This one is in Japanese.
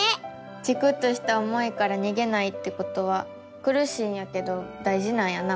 チクッとした思いからにげないってことはくるしいんやけどだいじなんやな。